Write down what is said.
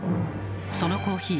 そのコーヒー